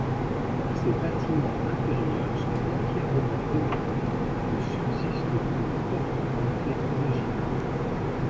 Ses bâtiments intérieurs sont entièrement démolis; ne subsiste qu'une porte d'entrée originale.